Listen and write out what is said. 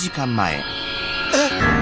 えっ？